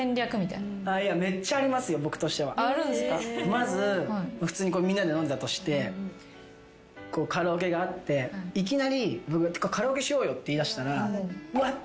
まず普通にみんなで飲んでたとしてカラオケがあっていきなり「カラオケしようよ」って言いだしたらうわっ！